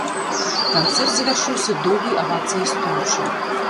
Канцэрт завяршыўся доўгай авацыяй стоячы.